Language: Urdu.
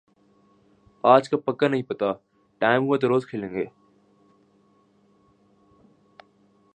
آج کا پکا نہیں پتا، ٹائم ہوا تو زرور کھیلیں گے۔